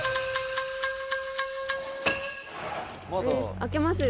「開けますよ」